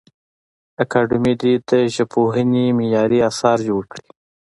اکاډمي دي د ژبپوهنې معیاري اثار جوړ کړي.